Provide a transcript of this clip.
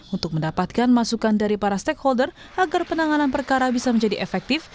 untuk mendapatkan masukan dari para stakeholder agar penanganan perkara bisa menjadi efektif